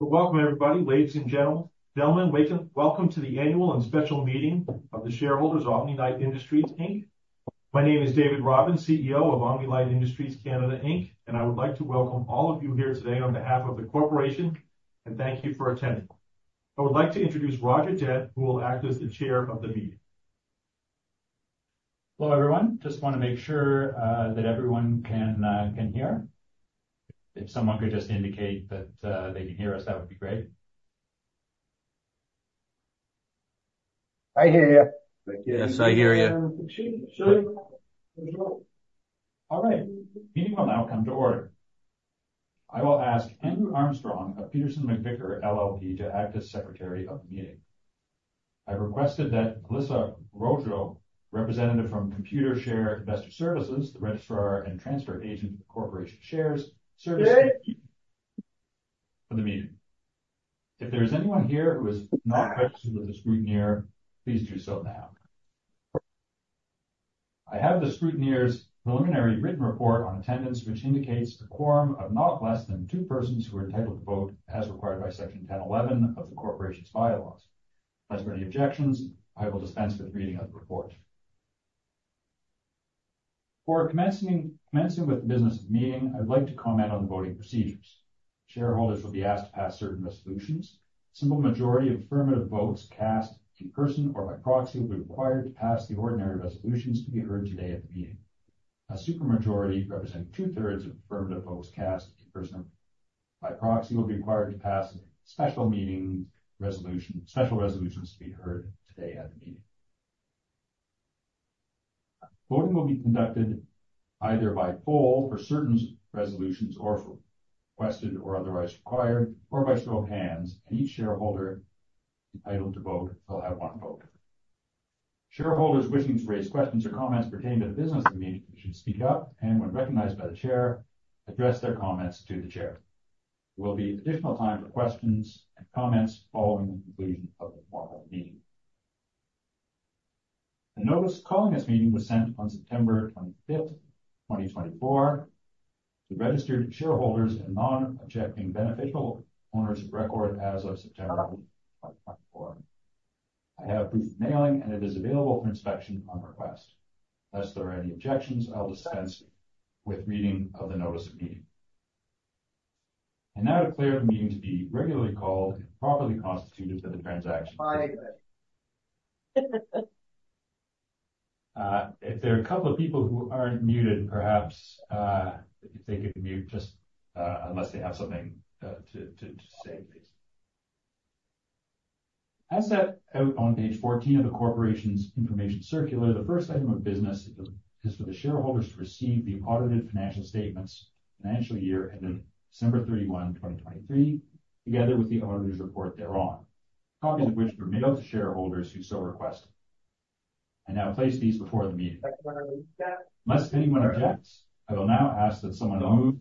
Welcome everybody. Ladies and gentlemen, ladies, welcome to the annual and special meeting of the shareholders of Omni-Lite Industries Inc. My name is David Robbins, CEO of Omni-Lite Industries Canada Inc. I would like to welcome all of you here today on behalf of the corporation and thank you for attending. I would like to introduce Roger Dent, who will act as the Chair of the meeting. Hello, everyone. Just wanna make sure that everyone can hear. If someone could just indicate that they can hear us, that would be great. I hear you. Yes, I hear you. All right. The meeting will now come to order. I will ask Andrew Armstrong of Peterson McVicar LLP to act as secretary of the meeting. I requested that Melissa Rojo, representative from Computershare Investor Services, the registrar and transfer agent of the corporation shares service for the meeting. If there is anyone here who has not registered with the scrutineer, please do so now. I have the scrutineer's preliminary written report on attendance, which indicates a quorum of not less than two persons who are entitled to vote as required by Section 10.11 of the Corporation's bylaws. Unless there are any objections, I will dispense with reading of the report. Before commencing with the business of the meeting, I'd like to comment on the voting procedures. Shareholders will be asked to pass certain resolutions. Simple majority affirmative votes cast in person or by proxy will be required to pass the ordinary resolutions to be heard today at the meeting. A super majority representing 2/3 of affirmative votes cast in person by proxy will be required to pass special resolutions to be heard today at the meeting. Voting will be conducted either by poll for certain resolutions or if requested or otherwise required, or by show of hands, and each shareholder entitled to vote will have one vote. Shareholders wishing to raise questions or comments pertaining to the business of the meeting should speak up, and when recognized by the chair, address their comments to the chair. There will be additional time for questions and comments following the conclusion of the formal meeting. The notice calling this meeting was sent on September 25th, 2024 to registered shareholders and non-objecting beneficial owners of record as of September 24. I have proof of mailing, and it is available for inspection on request. Unless there are any objections, I'll dispense with reading of the notice of meeting. I now declare the meeting to be regularly called and properly constituted for the transaction. My God. If there are a couple of people who aren't muted, perhaps, if they could mute just, unless they have something to say, please. As set out on page 14 of the corporation's information circular, the first item of business is for the shareholders to receive the audited financial statements financial year ending December 31, 2023, together with the auditor's report thereon, copies of which were mailed to shareholders who so request. I now place these before the meeting. Unless anyone objects, I will now ask that someone move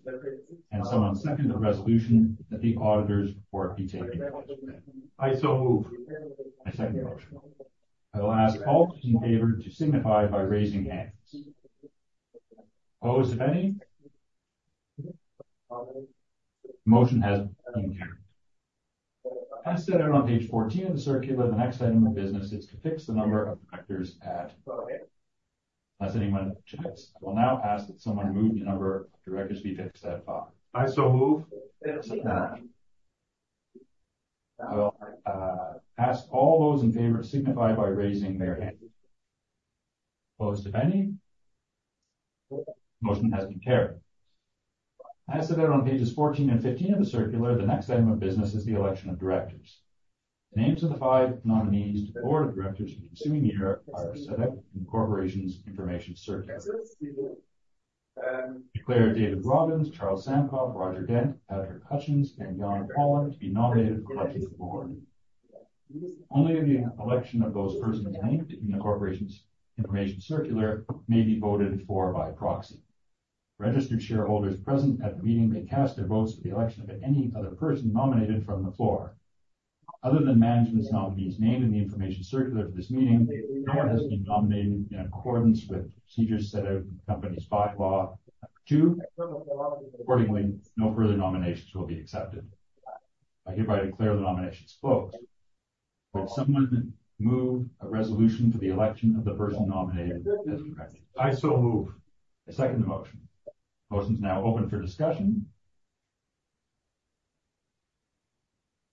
and someone second the resolution that the auditor's report be taken. I so move. I second the motion. I will ask all in favor to signify by raising hands. Opposed, if any? Motion has been carried. As stated on page 14 of the circular, the next item of business is to fix the number of directors at. Okay. Unless anyone objects, I will now ask that someone move the number of directors be fixed at five. I so move. I will ask all those in favor signify by raising their hands. Opposed, if any? Motion has been carried. As stated on pages 14 and 15 of the circular, the next item of business is the election of directors. The names of the five nominees to the board of directors for the ensuing year are set out in the corporation's information circular. Declare David Robbins, Charles Samkoff, Roger Dent, Patrick Hutchins, and Jan Holland to be nominated for election to the board. Only the election of those persons named in the corporation's information circular may be voted for by proxy. Registered shareholders present at the meeting may cast their votes for the election of any other person nominated from the floor. Other than management's nominees named in the information circular for this meeting, no one has been nominated in accordance with procedures set out in the company's bylaw too. Accordingly, no further nominations will be accepted. I hereby declare the nominations closed. Would someone move a resolution for the election of the person nominated as a director? I so move. I second the motion. Motion is now open for discussion.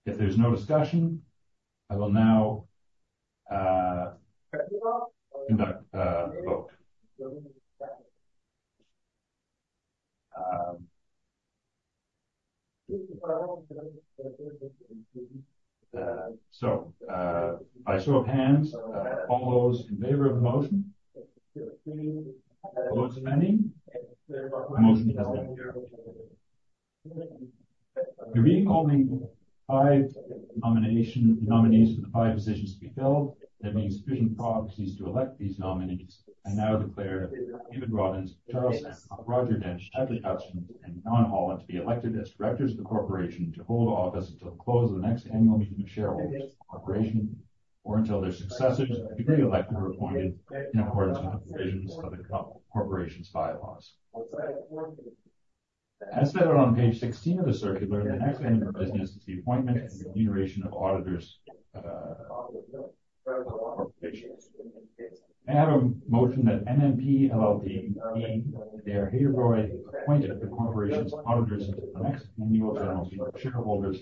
If there's no discussion, I will now conduct the vote. By show of hands, all those in favor of the motion. Opposed, if any? The motion has been carried. There being only five nominees for the five positions to be filled, there being sufficient proxies to elect these nominees, I now declare David Robbins, Charles Samkoff, Roger Dent, Patrick Hutchins, and Jan Holland to be elected as directors of the corporation to hold office until the close of the next annual meeting of shareholders of the corporation or until their successors, either elected or appointed in accordance with the provisions of the corporation's bylaws. As stated on page 16 of the circular, the next item of business is the appointment and remuneration of auditors of the corporation. May I have a motion that MNP LLP be thereby appointed the corporation's auditors until the next annual general meeting of shareholders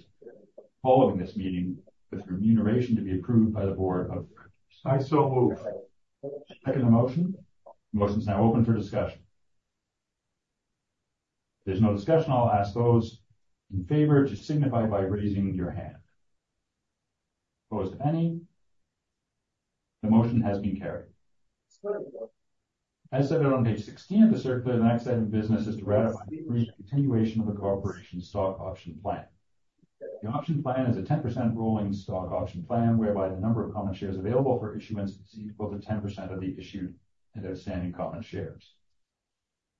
following this meeting with remuneration to be approved by the board of directors? I so move. Second the motion. Motion's now open for discussion. If there's no discussion, I'll ask those in favor to signify by raising your hand. Opposed, any? The motion has been carried. As stated on page 16 of the circular, the next item of business is to ratify the continuation of the corporation's stock option plan. The option plan is a 10% rolling stock option plan whereby the number of common shares available for issuance is equal to 10% of the issued and outstanding common shares.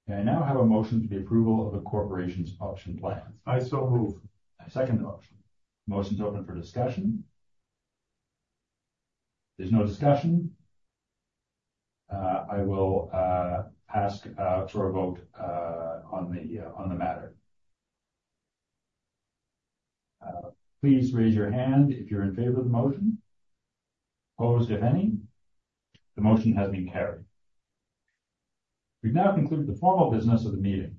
May I now have a motion to the approval of the corporation's option plan? I so move. I second the motion. Motion's open for discussion. If there's no discussion, I will ask for a vote on the matter. Please raise your hand if you're in favor of the motion. Opposed, if any. The motion has been carried. We've now concluded the formal business of the meeting.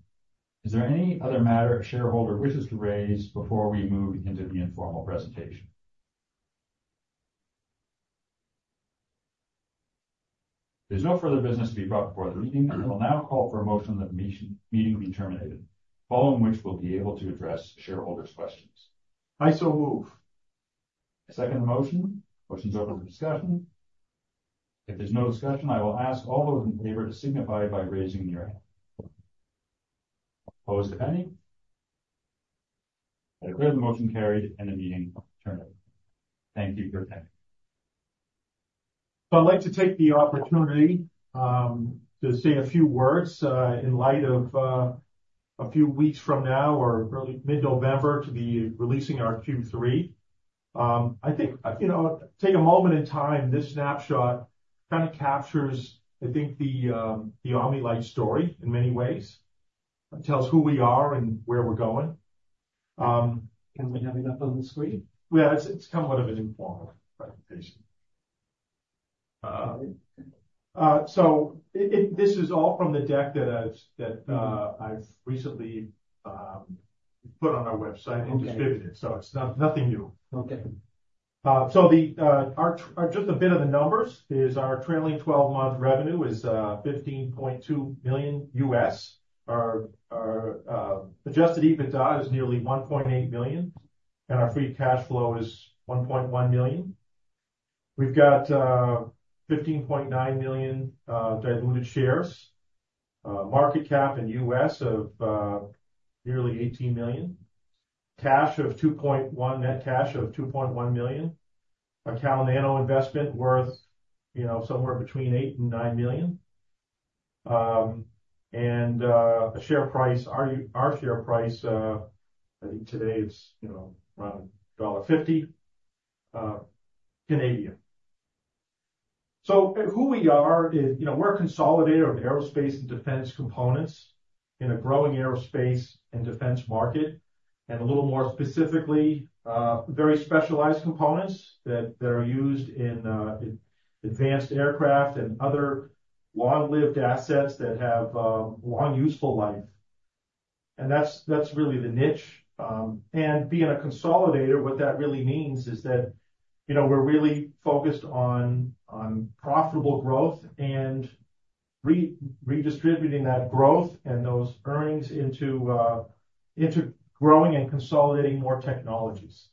Is there any other matter a shareholder wishes to raise before we move into the informal presentation? There's no further business to be brought before the meeting. I will now call for a motion that the meeting be terminated, following which we'll be able to address shareholders' questions. I so move. I second the motion. Motion's open for discussion. If there's no discussion, I will ask all those in favor to signify by raising your hand. Opposed, if any. I declare the motion carried and the meeting terminated. Thank you for attending. I'd like to take the opportunity to say a few words in light of a few weeks from now or early mid-November to be releasing our Q3. I think, you know, take a moment in time, this snapshot kind of captures, I think the Omni-Lite story in many ways. It tells who we are and where we're going. Can we have it up on the screen? Yeah. It's kind of an informal presentation. Okay. This is all from the deck that I've, that I've recently put on our website. Okay distributed, so it's nothing new. Okay. Just a bit of the numbers is our trailing twelve-month revenue is $15.2 million U.S. Adjusted EBITDA is nearly 1.8 million, and our free cash flow is 1.1 million. We've got 15.9 million diluted shares. Market cap in U.S. of nearly $18 million. Cash of net cash of 2.1 million. Our Cal Nano investment worth, you know, somewhere between 8 million and 9 million. Our share price, I think today it's, you know, around CAD 1.50. Who we are is, you know, we're a consolidator of aerospace and defense components in a growing aerospace and defense market, a little more specifically, very specialized components that are used in advanced aircraft and other long-lived assets that have long useful life. That's really the niche. Being a consolidator, what that really means is that, you know, we're really focused on profitable growth and redistributing that growth and those earnings into growing and consolidating more technologies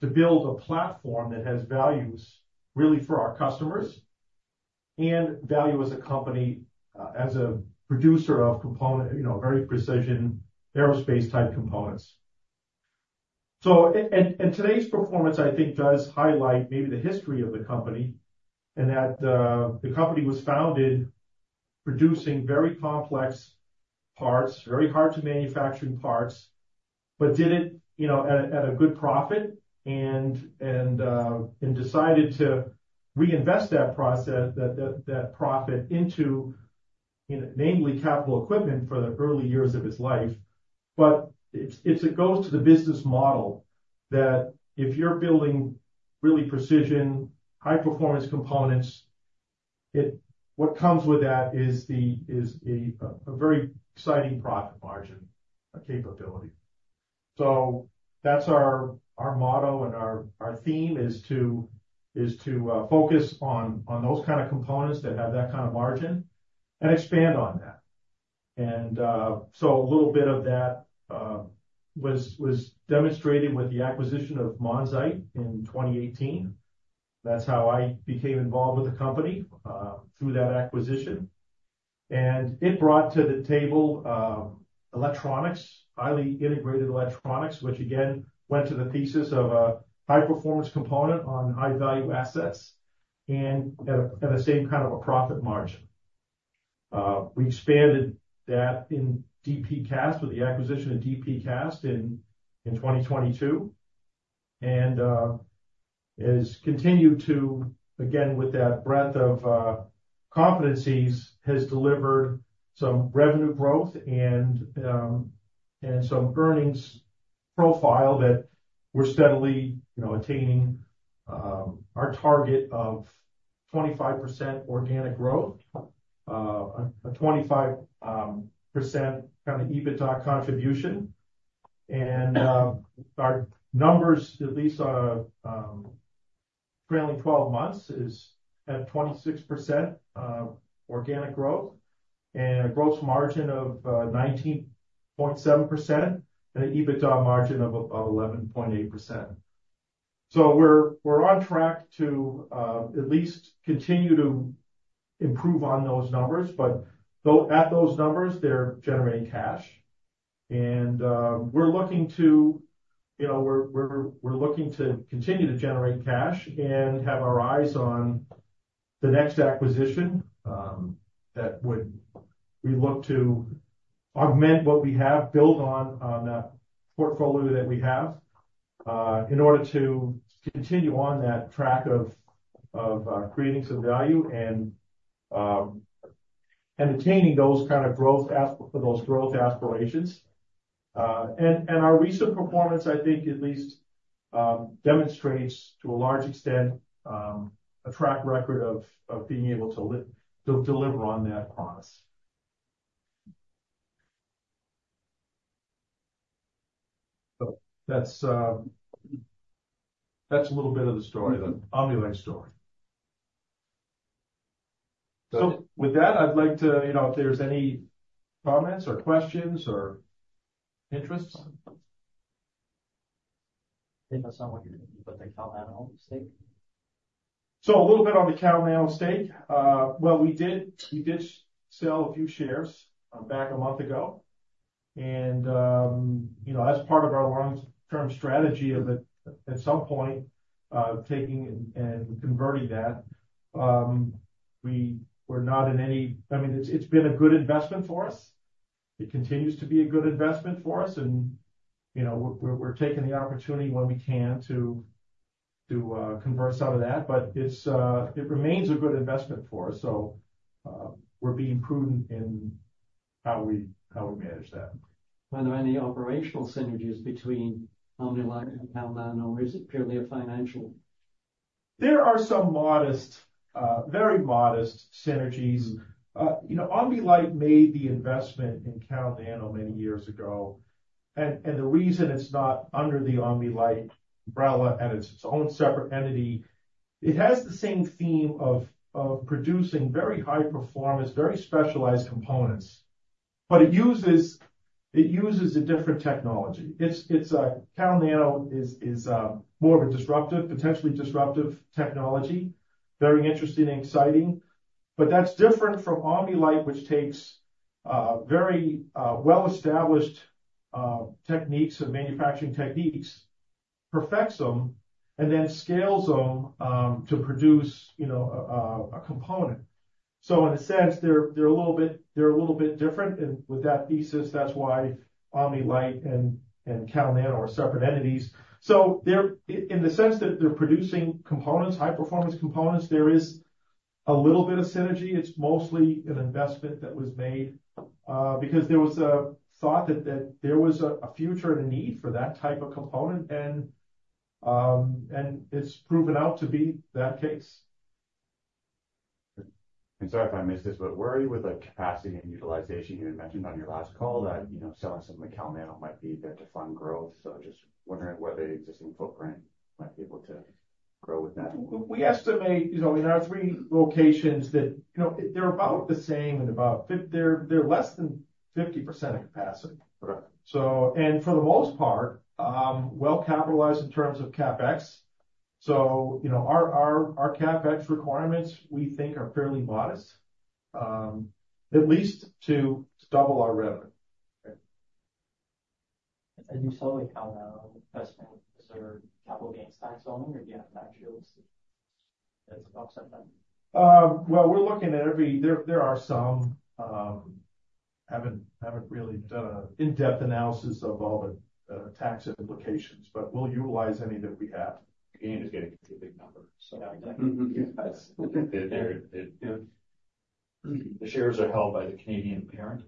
to build a platform that has values really for our customers and value as a company, as a producer of component, you know, very precision aerospace-type components. Today's performance, I think does highlight maybe the history of the company in that the company was founded producing very complex parts, very hard to manufacturing parts, but did it, you know, at a good profit and decided to reinvest that profit into, you know, namely capital equipment for the early years of its life. It goes to the business model that if you're building really precision, high-performance components, what comes with that is the is a very exciting profit margin capability. That's our motto and our theme is to focus on those kind of components that have that kind of margin and expand on that. A little bit of that was demonstrated with the acquisition of Monzite in 2018. That's how I became involved with the company, through that acquisition. It brought to the table, electronics, highly integrated electronics, which again, went to the thesis of a high-performance component on high-value assets and at the same kind of a profit margin. We expanded that in DP Cast with the acquisition of DP Cast in 2022. Is continued to, again, with that breadth of competencies, has delivered some revenue growth and some earnings profile that we're steadily, you know, attaining, our target of 25% organic growth, a 25% kind of EBITDA contribution. Our numbers, at least, trailing twelve months, is at 26% organic growth and a gross margin of 19.7% and an EBITDA margin of 11.8%. We're on track to at least continue to improve on those numbers. At those numbers, they're generating cash and we're looking to, you know, we're looking to continue to generate cash and have our eyes on the next acquisition that we look to augment what we have, build on that portfolio that we have in order to continue on that track of creating some value and attaining those kind of growth those growth aspirations. Our recent performance, I think, at least, demonstrates to a large extent a track record of being able to deliver on that promise. That's a little bit of the story, the Omni-Lite story. With that, I'd like to you know, if there's any comments or questions or interests. I think that's not what you're doing, but the Cal Nano stake. A little bit on the Cal Nano stake. Well, we did sell a few shares back a month ago. You know, as part of our long-term strategy of it, at some point, taking and converting that, I mean, it's been a good investment for us. It continues to be a good investment for us and, you know, we're taking the opportunity when we can to convert some of that. It remains a good investment for us, so we're being prudent in how we manage that. Are there any operational synergies between Omni-Lite and Cal Nano, or is it purely a financial? There are some modest, very modest synergies. You know, Omni-Lite made the investment in Cal Nano many years ago. The reason it's not under the Omni-Lite umbrella, and it's its own separate entity, it has the same theme of producing very high performance, very specialized components. It uses a different technology. It's Cal Nano is more of a disruptive, potentially disruptive technology. Very interesting, exciting. That's different from Omni-Lite, which takes very well-established techniques and manufacturing techniques, perfects them, and then scales them to produce, you know, a component. In a sense, they're a little bit different. With that thesis, that's why Omni-Lite and Cal Nano are separate entities. They're in the sense that they're producing components, high performance components, there is a little bit of synergy. It's mostly an investment that was made because there was a thought that there was a future and a need for that type of component and it's proven out to be that case. Sorry if I missed this, where are you with, like, capacity and utilization? You had mentioned on your last call that, you know, selling some of the Cal Nano might be a bit to fund growth. Just wondering whether the existing footprint might be able to grow with that. We estimate, you know, in our three locations that, you know, they're about the same and they're less than 50% of capacity. For the most part, well capitalized in terms of CapEx. You know, our CapEx requirements, we think are fairly modest, at least to double our revenue. Okay. As you saw with Cal Nano investment, is there capital gains tax owing or do you have tax shields that's offset that? Well, there are some, haven't really done an in-depth analysis of all the tax implications, but we'll utilize any that we have. Gain is going to be a big number. Yeah. The shares are held by the Canadian parent.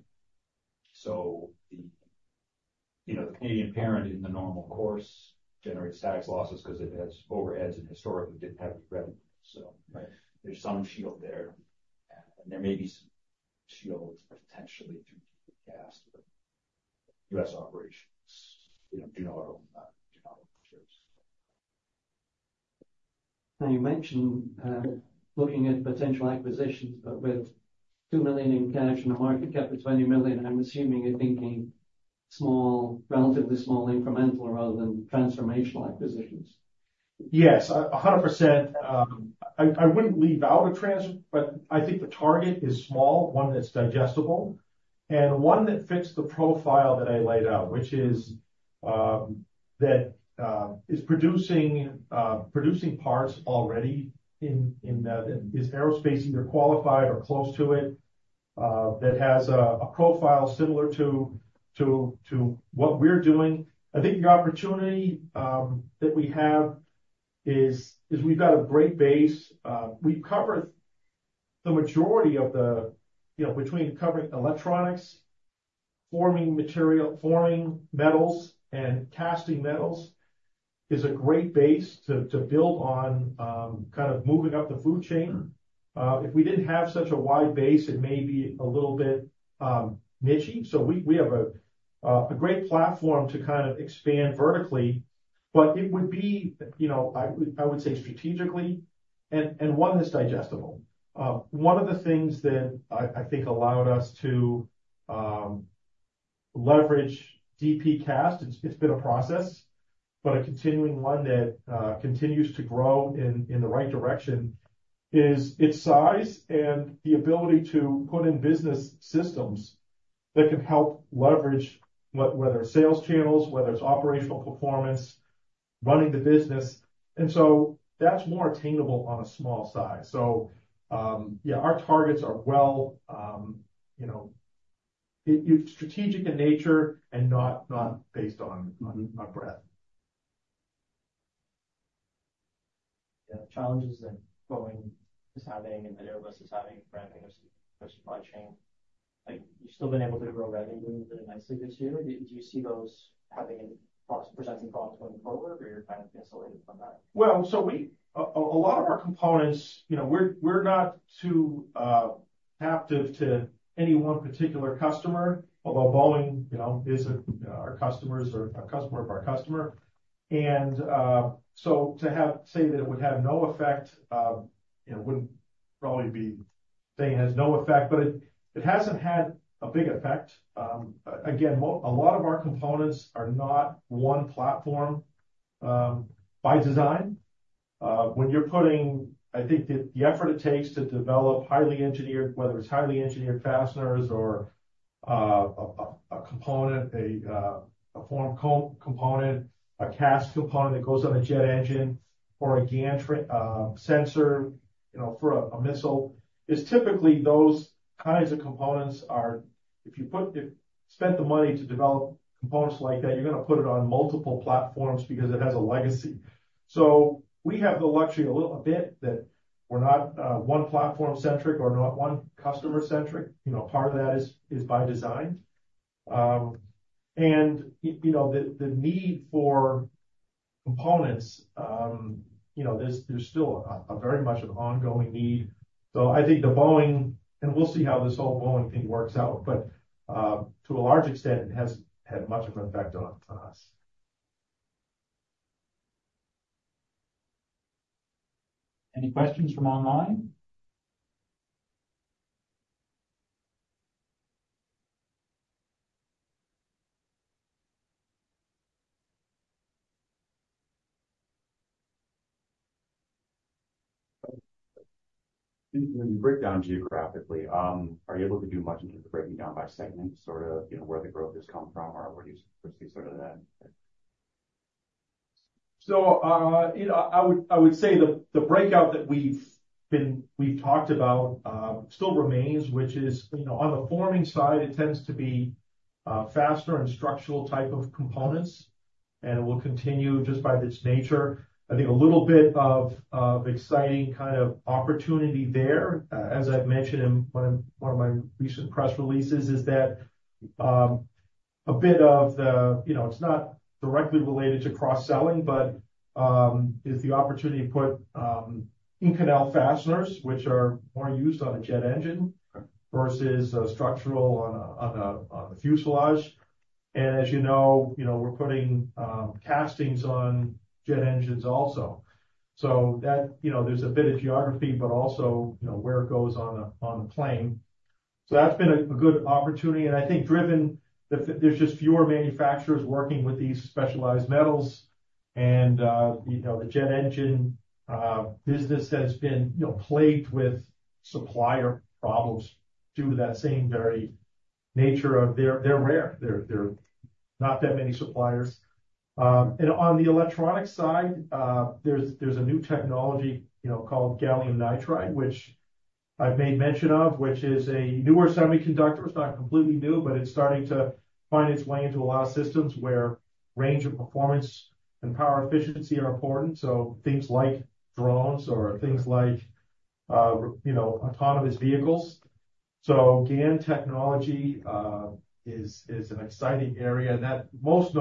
The, you know, the Canadian parent in the normal course generates tax losses because it has overheads and historically didn't have revenue. Right. There's some shield there. There may be some shields potentially through the cast of U.S. operations. You know, do not own the shares. You mentioned, looking at potential acquisitions, but with 2 million in cash and a market cap of 20 million, I'm assuming you're thinking small, relatively small incremental rather than transformational acquisitions. Yes, 100%. I wouldn't leave out, but I think the target is small, one that's digestible and one that fits the profile that I laid out, which is that is producing parts already in aerospace either qualified or close to it. That has a profile similar to what we're doing. I think the opportunity that we have is we've got a great base. We cover the majority of the, you know, between covering electronics, forming metals, and casting metals is a great base to build on, kind of moving up the food chain. If we didn't have such a wide base, it may be a little bit nichey. We have a great platform to kind of expand vertically, but it would be, you know, I would say strategically and one that's digestible. One of the things that I think allowed us to leverage DP Cast, it's been a process, but a continuing one that continues to grow in the right direction, is its size and the ability to put in business systems that can help leverage whether it's sales channels, whether it's operational performance, running the business. That's more attainable on a small size. Yeah, our targets are well, you know, it's strategic in nature and not based on breadth. Yeah. Challenges that Boeing is having and that Airbus is having around their supply chain, like you've still been able to grow revenue really nicely this year. Do you see those having any presenting problems going forward, or you're kind of insulated from that? Well, a lot of our components, you know, we're not too captive to any one particular customer. Although Boeing, you know, is a, you know, our customers or a customer of our customer. Say that it would have no effect, you know, wouldn't probably be saying it has no effect, but it hasn't had a big effect. Again, a lot of our components are not one platform by design. I think the effort it takes to develop highly engineered whether it's highly engineered fasteners or a component, a form component, a cast component that goes on a jet engine or a gantry sensor, you know, for a missile, is typically those kinds of components if you spent the money to develop components like that, you're gonna put it on multiple platforms because it has a legacy. We have the luxury a little bit that we're not one platform-centric or not one customer-centric. You know, part of that is by design. You know, the need for components, you know, there's still a very much an ongoing need. I think and we'll see how this whole Boeing thing works out, but, to a large extent, it hasn't had much of an effect on us. Any questions from online? When you break down geographically, are you able to do much in terms of breaking down by segment, sort of, you know, where the growth has come from? Or where do you foresee sort of that? You know, I would say the breakout that we've talked about still remains, which is, you know, on the forming side, it tends to be faster and structural type of components, and it will continue just by its nature. I think a little bit of exciting kind of opportunity there, as I've mentioned in one of my recent press releases, is that, you know, it's not directly related to cross-selling, but is the opportunity to put Inconel fasteners, which are more used on a jet engine versus a structural on a fuselage. As you know, you know, we're putting castings on jet engines also. You know, there's a bit of geography, but also, you know, where it goes on a plane. That's been a good opportunity, and I think driven there's just fewer manufacturers working with these specialized metals and, you know, the jet engine business has been, you know, plagued with supplier problems due to that same very nature of they're rare. There are not that many suppliers. On the electronic side, there's a new technology, you know, called gallium nitride, which I've made mention of, which is a newer semiconductor. It's not completely new, but it's starting to find its way into a lot of systems where range of performance and power efficiency are important, so things like drones or things like, you know, autonomous vehicles. GaN technology is an exciting area and that most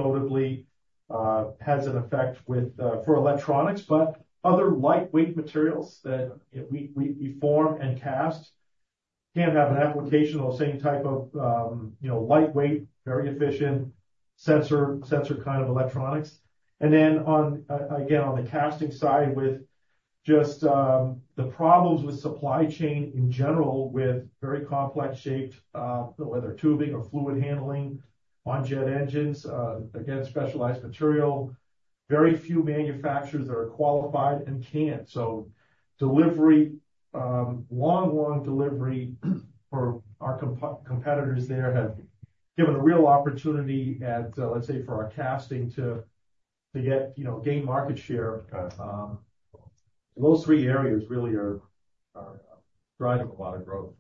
notably has an effect with for electronics, but other lightweight materials that we form and cast can have an application of the same type of, you know, lightweight, very efficient sensor kind of electronics. On again, on the casting side with just the problems with supply chain in general, with very complex shaped, whether tubing or fluid handling on jet engines, again, specialized material, very few manufacturers that are qualified. Delivery, long delivery for our competitors there have given a real opportunity at, let's say for our casting to get, you know, gain market share. Those three areas really are driving a lot of growth.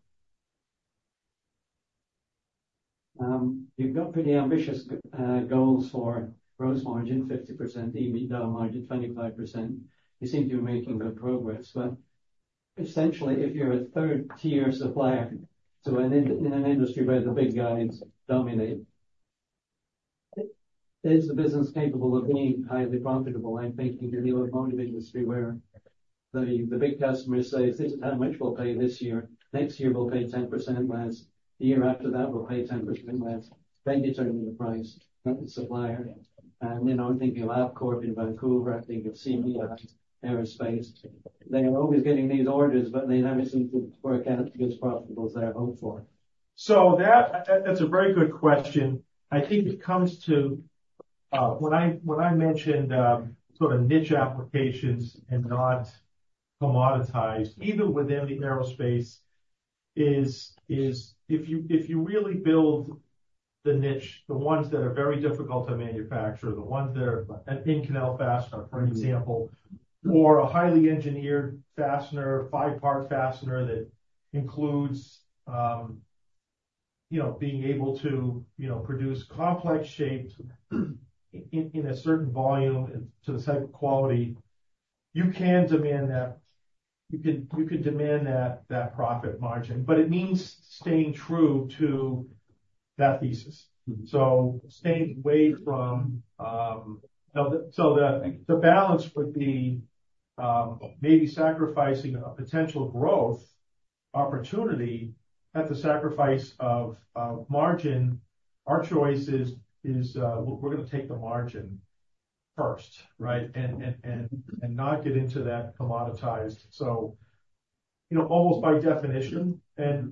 You've got pretty ambitious goals for gross margin, 50%, EBITDA margin 25%. You seem to be making good progress. Essentially, if you're a 3rd-tier supplier to an industry where the big guys dominate, is the business capable of being highly profitable? I'm thinking of the automotive industry where the big customer says, "This is how much we'll pay this year. Next year, we'll pay 10% less. The year after that, we'll pay 10% less." You determine the price of the supplier. I'm thinking of Avcorp in Vancouver. I'm thinking of CME Aerospace. They are always getting these orders, but they never seem to work out as profitable as they had hoped for. That's a very good question. I think it comes to when I mentioned sort of niche applications and not commoditized, even within the aerospace is if you really build the niche, the ones that are very difficult to manufacture, the ones that are an Inconel fastener, for example, or a highly engineered fastener, five-part fastener that includes being able to produce complex shapes in a certain volume to the type of quality. You can demand that, you could demand that profit margin, but it means staying true to that thesis, staying away from. The balance would be maybe sacrificing a potential growth opportunity at the sacrifice of margin. Our choice is, we're gonna take the margin first, right? Not get into that commoditized. You know, almost by definition, there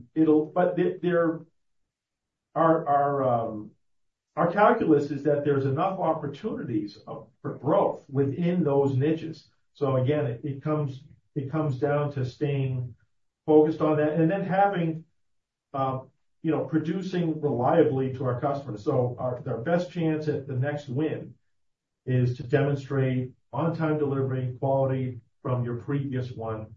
are, our calculus is that there's enough opportunities for growth within those niches. Again, it comes down to staying focused on that and then having, you know, producing reliably to our customers. Their best chance at the next win is to demonstrate on-time delivery, quality from your previous one.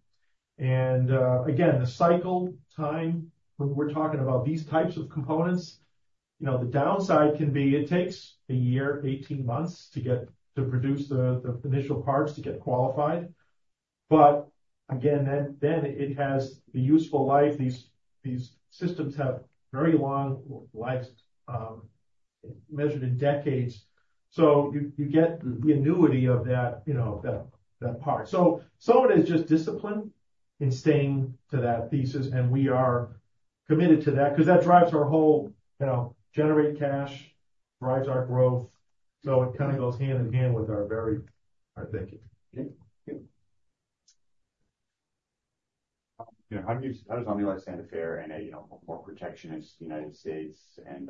Again, the cycle time, when we're talking about these types of components, you know, the downside can be it takes a year, 18 months to produce the initial parts to get qualified. Again, then it has the useful life. These systems have very long lives, measured in decades. You get the annuity of that, you know, that part. Some of it is just discipline in staying to that thesis, and we are committed to that because that drives our whole, you know, generate cash, drives our growth. It kind of goes hand in hand with our thinking. Okay. Good. You know, how does Omni-Lite stand to fare in a, you know, more protectionist U.S. and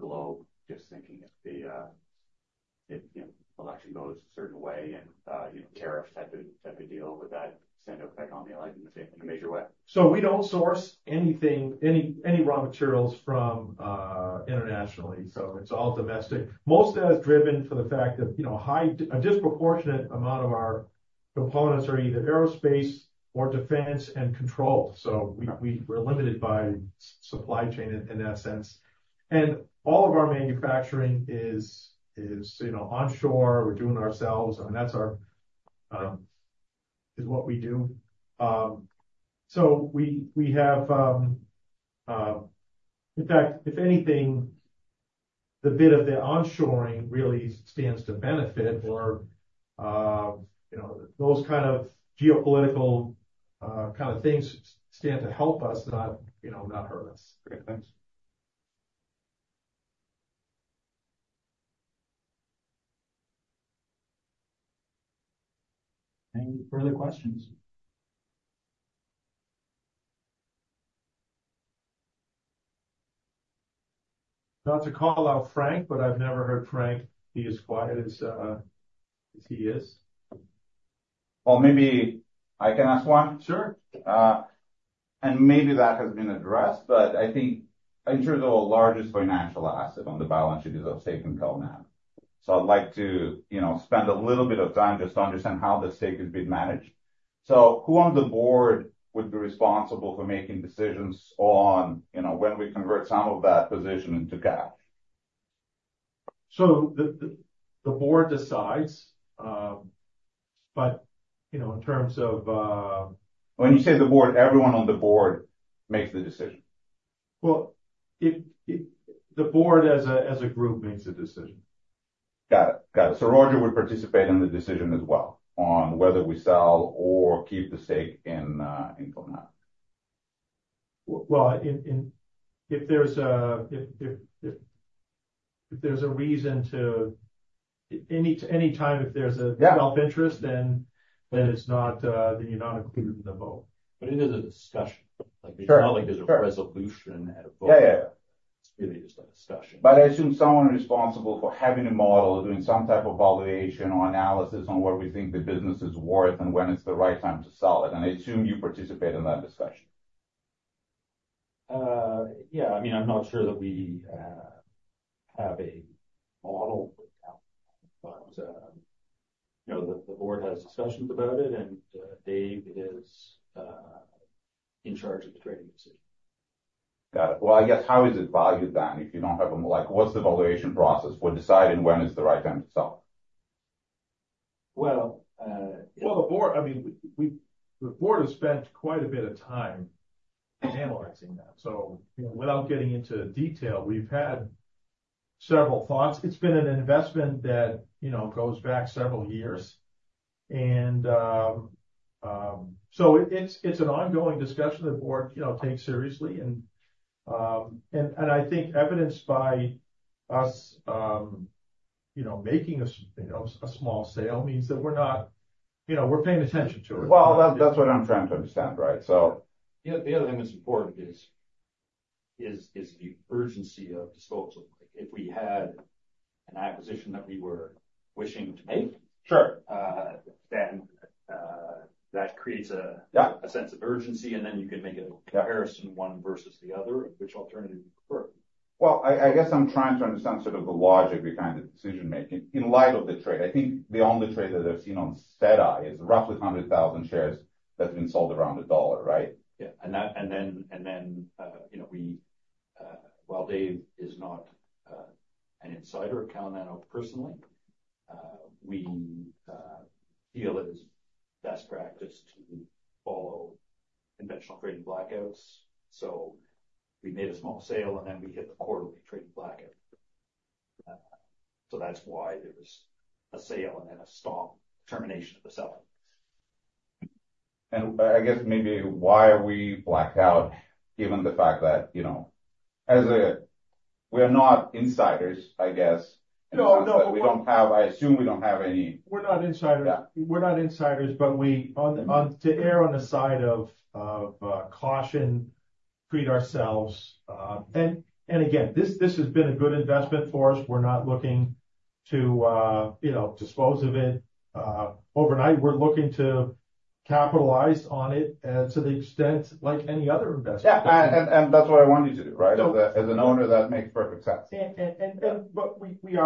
globe? Just thinking if the, if, you know, election goes a certain way and, you know, tariffs had to deal with that kind of effect on the island in a major way. We don't source anything, any raw materials from internationally. It's all domestic. Most of that is driven for the fact that, you know, a disproportionate amount of our components are either aerospace or defense and control. We're limited by supply chain in that sense. All of our manufacturing is, you know, onshore. We're doing it ourselves. I mean, that's our, is what we do. We have In fact, if anything, the bit of the onshoring really stands to benefit, you know, those kind of geopolitical kind of things stand to help us, not, you know, not hurt us. Okay. Thanks. Any further questions? Not to call out Frank, but I've never heard Frank be as quiet as he is. Well, maybe I can ask one. Sure. Maybe that has been addressed, but I think I'm sure the largest financial asset on the balance sheet is of stake in Cal Nano. I'd like to, you know, spend a little bit of time just to understand how the stake is being managed. Who on the board would be responsible for making decisions on, you know, when we convert some of that position into cash? The board decides, but, you know, in terms of. When you say the board, everyone on the board makes the decision. Well, the board as a group makes a decision. Got it. Got it. Roger would participate in the decision as well on whether we sell or keep the stake in Cal Nano. Well, if there's a reason to any time if there's a Yeah self-interest, then it's not, then you're not included in the vote. It is a discussion. Sure. Like, it's not like there's a resolution at a vote. Yeah, yeah. It's really just a discussion. I assume someone responsible for having a model or doing some type of validation or analysis on where we think the business is worth and when it's the right time to sell it, and I assume you participate in that discussion. Yeah. I mean, I'm not sure that we have a model account, but, you know, the Board has discussions about it, and Dave is in charge of the trading decision. Got it. Well, I guess, how is it valued then if you don't have, what's the valuation process for deciding when is the right time to sell? Well, the board, I mean, the board has spent quite a bit of time analyzing that. You know, without getting into detail, we've had several thoughts. It's been an investment that, you know, goes back several years. It's an ongoing discussion the board, you know, takes seriously. I think evidenced by us, you know, making a small sale means that we're not You know, we're paying attention to it. Well, that's what I'm trying to understand, right? The other thing that's important is the urgency of disposal. If we had an acquisition that we were wishing to make. Sure That creates. Yeah a sense of urgency, and then you can make. Yeah comparison one versus the other, which alternative you prefer. Well, I guess I'm trying to understand sort of the logic behind the decision-making in light of the trade. I think beyond the trade that I've seen on SEDI is roughly 100,000 shares that's been sold around CAD 1, right? Yeah. You know, while Dave is not an insider at Cal Nano personally, we feel it is best practice to follow conventional trading blackouts. We made a small sale, and then we hit the quarterly trading blackout. That's why there was a sale and then a stop, termination of the sale. I guess maybe why are we blacked out given the fact that, you know, We're not insiders, I guess? No, no. I assume we don't have. We're not insider- Yeah. We're not insiders, to err on the side of caution, treat ourselves. Again, this has been a good investment for us. We're not looking to, you know, dispose of it overnight. We're looking to capitalize on it to the extent like any other investment. Yeah. That's what I want you to do, right? As an owner, that makes perfect sense. We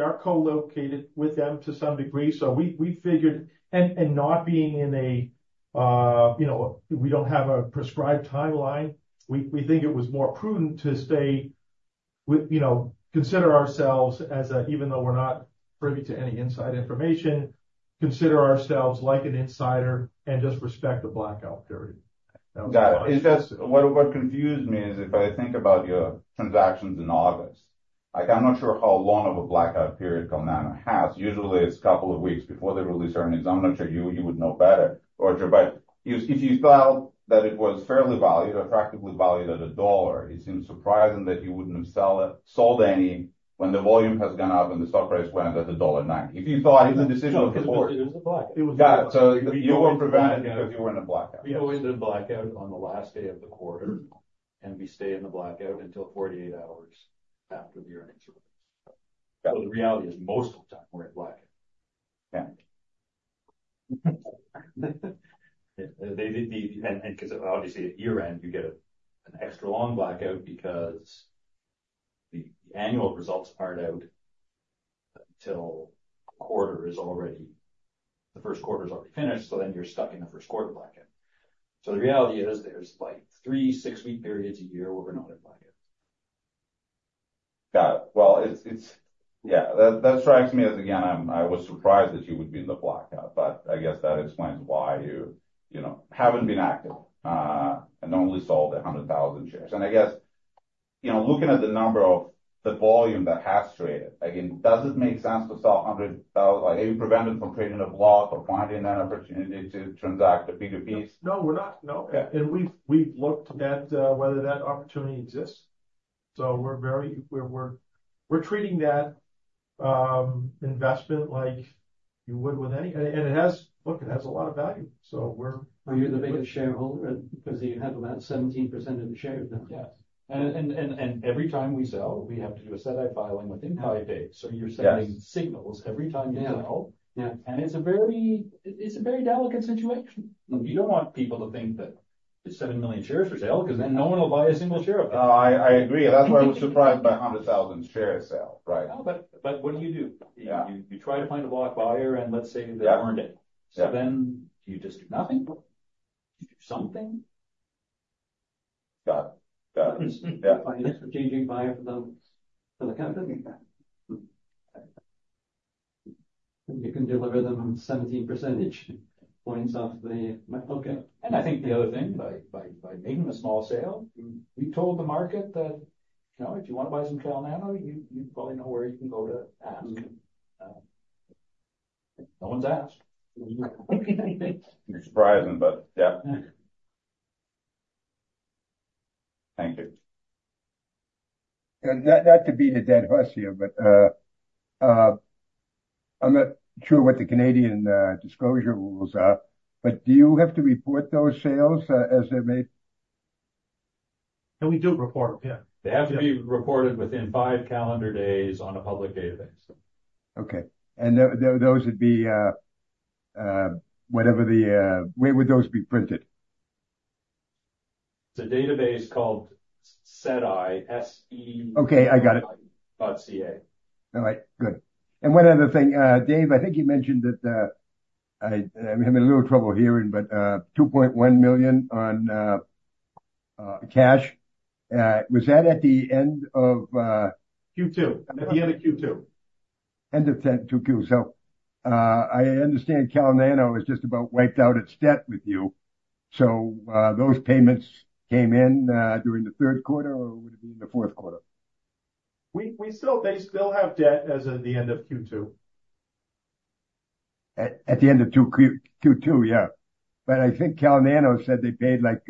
are co-located with them to some degree, so we figured not being in a, you know, we don't have a prescribed timeline. We think it was more prudent to stay with, you know, consider ourselves as a. Even though we're not privy to any inside information, consider ourselves like an insider and just respect the blackout period. That was why. Got it. It's just what confused me is if I think about your transactions in August, like I'm not sure how long of a blackout period Cal Nano has. Usually, it's a couple of weeks before they release earnings. I'm not sure. You would know better, Roger. If you felt that it was fairly valued or attractively valued at CAD 1, it seems surprising that you wouldn't have sold any when the volume has gone up and the stock price went at dollar 1.09. If you thought it's the decision of the board. No, because it is a blackout. It was a blackout. Got it. You were prevented because you were in a blackout. We always did a blackout on the last day of the quarter, and we stay in the blackout until 48 hours after the earnings release. Got it. The reality is most of the time we're in blackout. Yeah. They because obviously at year-end, you get an extra long blackout because the annual results aren't out until the first quarter is already finished, you're stuck in the first quarter blackout. The reality is there's like three six-week periods a year where we're not in blackout. Got it. Well, it's Yeah. That, that strikes me as, again, I was surprised that you would be in the blackout, but I guess that explains why you know, haven't been active, and only sold 100,000 shares. I guess, you know, looking at the number of the volume that has traded, again, does it make sense to sell 100,000? Like, are you prevented from creating a block or finding that opportunity to transact a B2B? No, we're not. No. Yeah. We've looked at whether that opportunity exists, so we're very We're treating that investment like you would with any. Look, it has a lot of value. Well, you're the biggest shareholder because you have about 17% of the shares now. Yes. Every time we sell, we have to do a SEDI filing within five days. Yes. You're sending signals every time you sell. Yeah. Yeah. It's a very delicate situation. You don't want people to think that there's seven million shares for sale 'cause then no one will buy a single share of that. No, I agree. That's why I was surprised by a 100,000 share sale, right? What do you do? Yeah. You try to find a block buyer, let's say they weren't in. Yeah. Do you just do nothing? Do you do something? Got it. Yeah. Find a strategic buyer for the company. Yeah. You can deliver them 17 percentage points off the milk. I think the other thing by making a small sale, we told the market that, you know, if you want to buy some Cal Nano, you probably know where you can go to ask. No one's asked. Surprising, yeah. Thank you. Not to beat a dead horse here, but I'm not sure what the Canadian disclosure rules are, but do you have to report those sales as they're made? No, we do report. Yeah. They have to be reported within five calendar days on a public database. Okay. Those would be, whatever the, where would those be printed? It's a database called SEDI. Okay, I got it. All right, good. One other thing, David, I think you mentioned that, I'm having a little trouble hearing, but 2.1 million on cash. Was that at the end of? Q2. At the end of Q2. End of Q2. I understand Cal Nano has just about wiped out its debt with you, those payments came in during the third quarter or would it be in the fourth quarter? They still have debt as of the end of Q2. At the end of Q2, yeah. I think Cal Nano said they paid, like,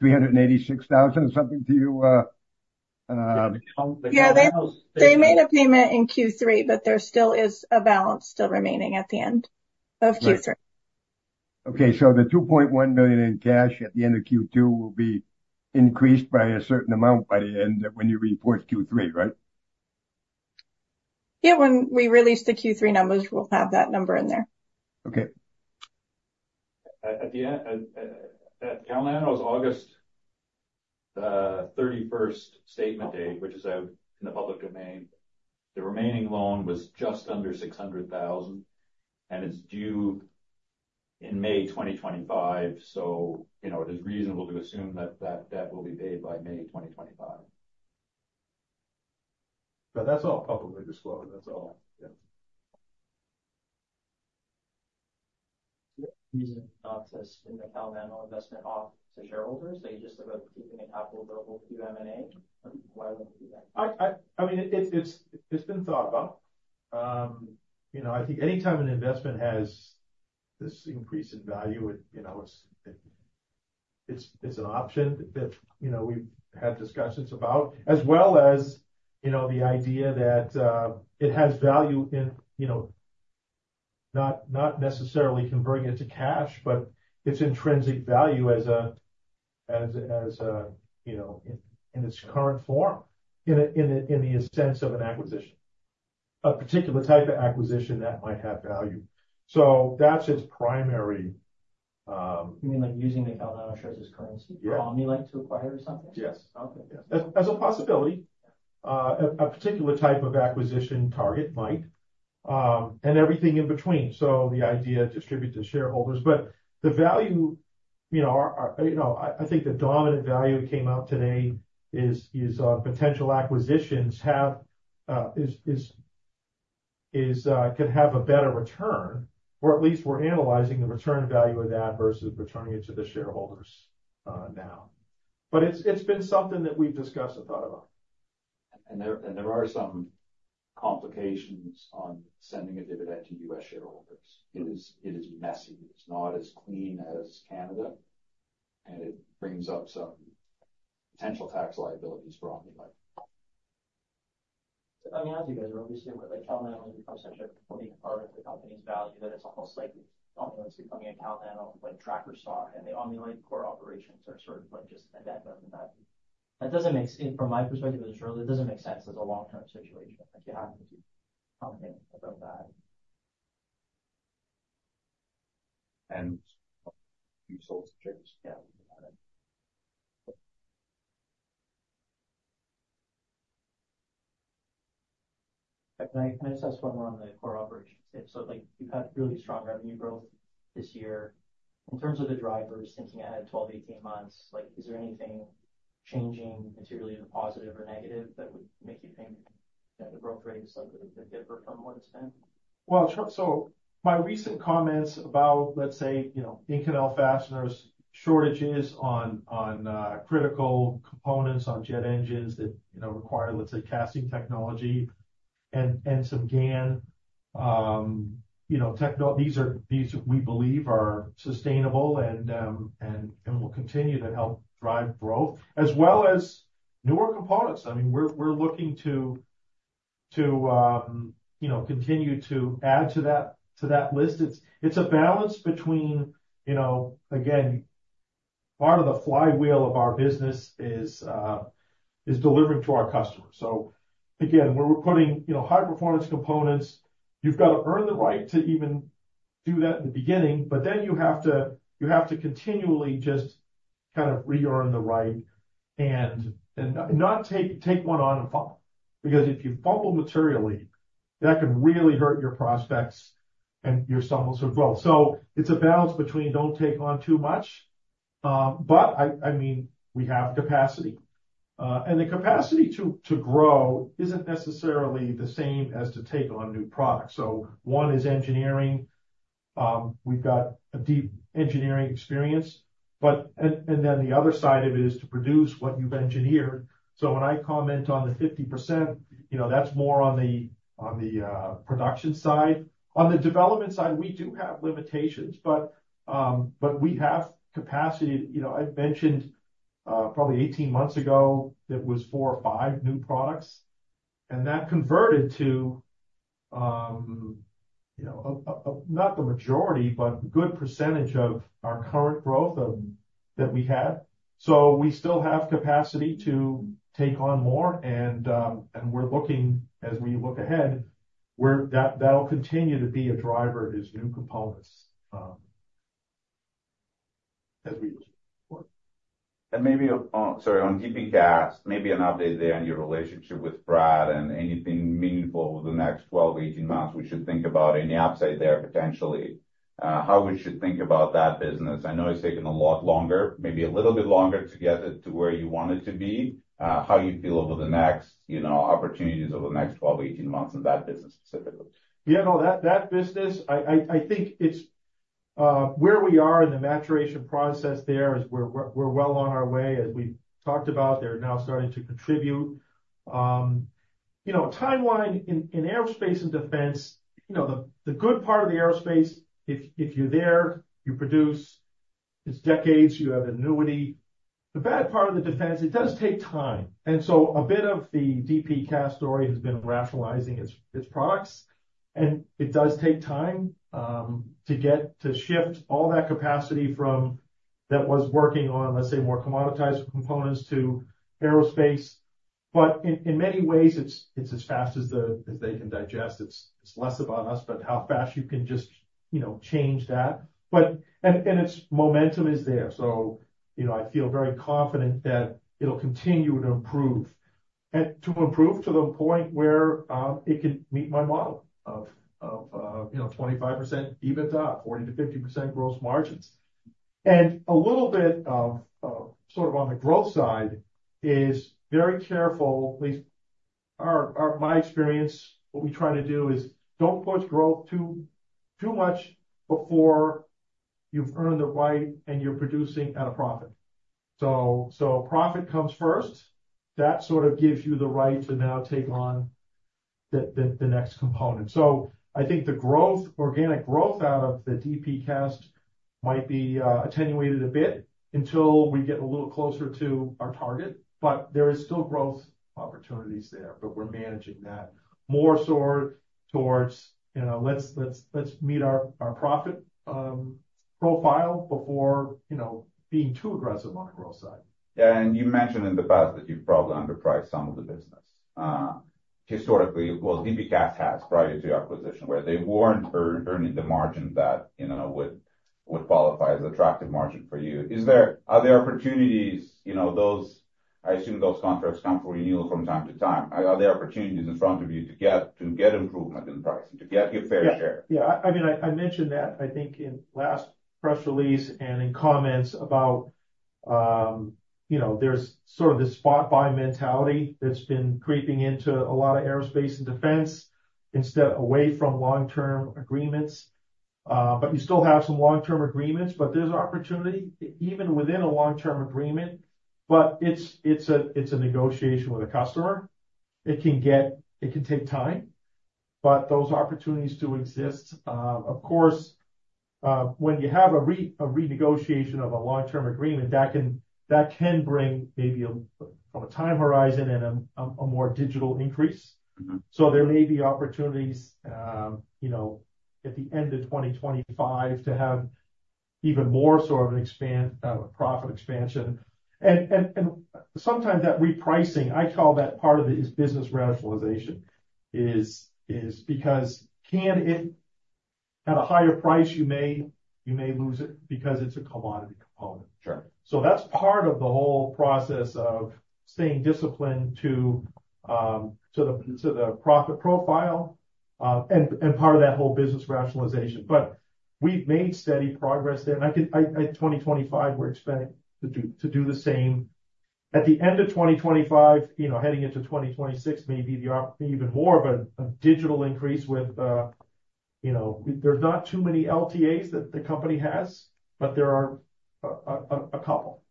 386,000 something to you. Yeah. Yeah, they made a payment in Q3, but there still is a balance remaining at the end of Q3. Right. Okay. The 2.1 million in cash at the end of Q2 will be increased by a certain amount by the end when you report Q3, right? Yeah, when we release the Q3 numbers, we'll have that number in there. Okay. At Cal Nano's August 31st statement date, which is in the public domain, the remaining loan was just under 600,000, and it's due in May 2025. You know, it is reasonable to assume that that debt will be paid by May 2025. That's all publicly disclosed. That's all, yeah. There's an option to spin the Cal Nano investment off to shareholders. Are you just about keeping it capital available through M&A? Why wouldn't you do that? I mean, it's been thought about. You know, I think anytime an investment has this increase in value, it, you know, it's an option that, you know, we've had discussions about, as well as, you know, the idea that it has value in, you know, not necessarily converting it to cash, but its intrinsic value as a, you know, in its current form, in the sense of an acquisition. A particular type of acquisition that might have value. So that's its primary. You mean like using the Cal Nano shares as currency? Yeah for Omni to acquire something? Yes. Okay. As a possibility, a particular type of acquisition target might, and everything in between. The idea distribute to shareholders. The value, you know, our, you know, I think the dominant value that came out today is, potential acquisitions have, is, could have a better return, or at least we're analyzing the return value of that versus returning it to the shareholders, now. It's been something that we've discussed and thought about. There are some complications on sending a dividend to U.S. shareholders. It is messy. It's not as clean as Canada, and it brings up some potential tax liabilities for Omni-Lite. I mean, as you guys were obviously aware, like Cal Nano has become such a fully part of the company's value that it's almost like Omni-Lite's becoming a Cal Nano like tracker stock, and the Omni-Lite core operations are sort of like just a dead end of that. From my perspective as a shareholder, that doesn't make sense as a long-term situation. Like, you have to do something about that. You sold chips. Yeah. Can I just ask one more on the core operations? Like you've had really strong revenue growth this year. In terms of the drivers thinking ahead 12, 18 months, like is there anything changing materially, either positive or negative, that would make you think that the growth rate is slightly different from what it's been? Well, my recent comments about, let's say, you know, Inconel fasteners, shortages on critical components on jet engines that, you know, require, let's say, casting technology and some, [inaudible] you know, [inaudible] these we believe are sustainable and will continue to help drive growth as well as newer components. I mean, we're looking to, you know, continue to add to that list. It's a balance between, you know. Again, part of the flywheel of our business is delivering to our customers. Again, we're putting, you know, high-performance components. You've got to earn the right to even do that in the beginning, you have to continually just kind of re-earn the right and not take one on and fumble. Because if you fumble materially, that can really hurt your prospects and your subsequent growth. It's a balance between don't take on too much, I mean, we have capacity. The capacity to grow isn't necessarily the same as to take on new products. One is engineering. We've got a deep engineering experience, and then the other side of it is to produce what you've engineered. When I comment on the 50%, you know, that's more on the production side. On the development side, we do have limitations, but we have capacity. You know, I mentioned probably 18 months ago that was four or five new products, and that converted to, you know, a not the majority, but a good percentage of our current growth that we have. We still have capacity to take on more and as we look ahead, that'll continue to be a driver is new components. Maybe on DP Cast, maybe an update there on your relationship with Pratt and anything meaningful over the next 12 to 18 months we should think about any upside there potentially. How we should think about that business. I know it's taken a lot longer, maybe a little bit longer to get it to where you want it to be. How you feel over the next, you know, opportunities over the next 12 to 18 months in that business specifically. That business, I think it's where we are in the maturation process there is we're well on our way. As we talked about, they're now starting to contribute. You know, timeline in aerospace and defense, you know, the good part of the aerospace, if you're there, you produce, it's decades, you have annuity. The bad part of the defense, it does take time. A bit of the DP Cast story has been rationalizing its products. It does take time to get to shift all that capacity that was working on, let's say, more commoditized components to aerospace. In many ways, it's as fast as they can digest. It's less about us, but how fast you can just, you know, change that. Its momentum is there. You know, I feel very confident that it'll continue to improve and to improve to the point where it can meet my model of, you know, 25% EBITDA, 40%-50% gross margins. A little bit of sort of on the growth side is very careful. At least my experience, what we try to do is don't push growth too much before you've earned the right and you're producing at a profit. Profit comes first. That sort of gives you the right to now take on the next component. I think the organic growth out of the DP Cast might be attenuated a bit until we get a little closer to our target, but there is still growth opportunities there, but we're managing that more sort towards, you know, let's meet our profit profile before, you know, being too aggressive on the growth side. Yeah. You mentioned in the past that you've probably underpriced some of the business historically. Well, DP Cast has prior to your acquisition, where they weren't earning the margin that, you know, would qualify as attractive margin for you. Are there opportunities, you know, I assume those contracts come for renewal from time to time. Are there opportunities in front of you to get improvement in price and to get your fair share? Yeah. Yeah. I mean, I mentioned that I think in last press release and in comments about, you know, there's sort of this spot buy mentality that's been creeping into a lot of aerospace and defense instead away from long-term agreements. But you still have some long-term agreements, but there's opportunity even within a long-term agreement. It's, it's a, it's a negotiation with a customer. It can take time, but those opportunities do exist. Of course, when you have a renegotiation of a long-term agreement, that can, that can bring maybe from a time horizon and a more digital increase. There may be opportunities, you know, at the end of 2025 to have even more sort of a profit expansion. Sometimes that repricing, I call that part of it is business rationalization, is because at a higher price, you may lose it because it's a commodity component. Sure. That's part of the whole process of staying disciplined to the profit profile and part of that whole business rationalization. We've made steady progress there, and 2025, we're expecting to do the same. At the end of 2025, you know, heading into 2026 may be even more of a digital increase with, you know, there's not too many LTAs that the company has, but there are a couple.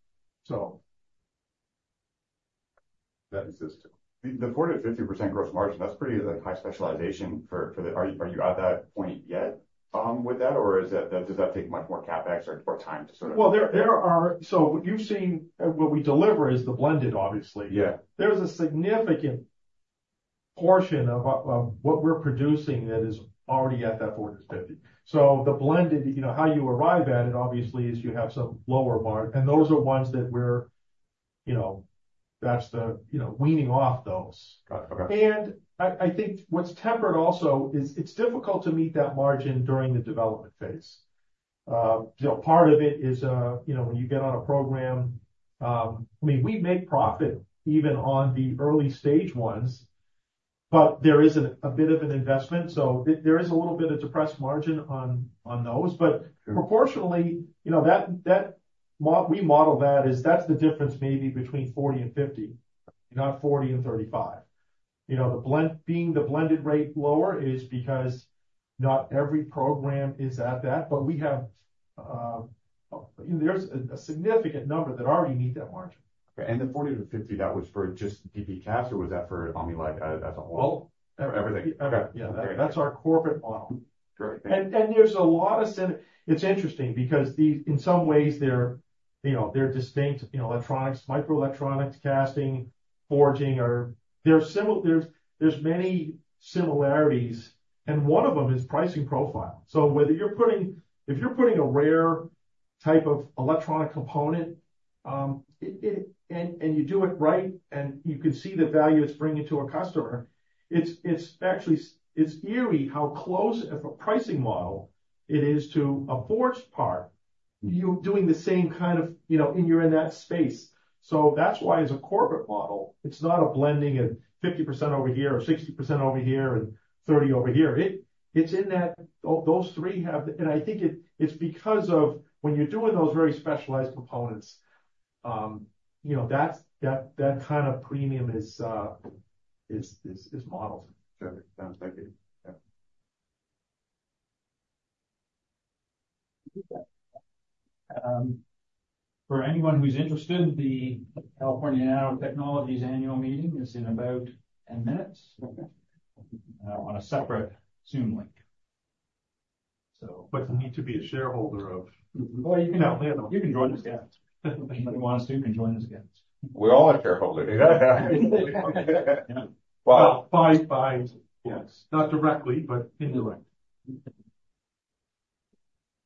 That exists. The 40%-50% gross margin, that's pretty, like, high specialization for the. Are you at that point yet with that? Or does that take much more CapEx or time to sort of? Well, what you've seen and what we deliver is the blended, obviously. Yeah. There's a significant portion of what we're producing that is already at that 40%-50%. The blended, you know, how you arrive at it obviously is you have some lower and those are ones that we're, you know, that's the, you know, weaning off those. Got it. Okay. I think what's tempered also is it's difficult to meet that margin during the development phase. You know, part of it is, you know, when you get on a program, I mean, we make profit even on the early stage ones, but there is a bit of an investment. There is a little bit of depressed margin on those. Sure. Proportionally, you know, that we model that is that's the difference maybe between 40 and 50, not 40 and 35. You know, the blended rate lower is because not every program is at that. We have, you know, there's a significant number that already meet that margin. The 40-50, that was for just DP Cast, or was that for Omni-Lite as a whole? Well- Everything? Everything. Okay. Yeah. Okay. That's our corporate model. Great. It's interesting because these, in some ways, they're, you know, they're distinct, you know, electronics, microelectronics, casting, forging, or there are many similarities, and one of them is pricing profile. Whether if you're putting a rare type of electronic component, and you do it right and you can see the value it's bringing to a customer, it's actually eerie how close of a pricing model it is to a forged part. You're doing the same kind of, you know, and you're in that space. That's why as a corporate model, it's not a blending of 50% over here or 60% over here and 30% over here. I think it's because of when you're doing those very specialized components, you know, that kind of premium is modeled. Sure. Sounds like it. Yeah. For anyone who's interested, the California Nanotechnologies annual meeting is in about 10 minutes. Okay on a separate Zoom link. You need to be a shareholder. Well, you can join us again. If anybody wants to, you can join us again. We all are shareholders. Yeah. Wow. By, yes, not directly, but indirectly.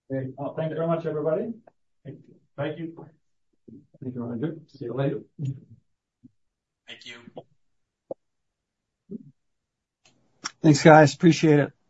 Great. Well, thank you very much, everybody. Thank you. Thank you, Roger. See you later. Thank you. Thanks, guys. Appreciate it.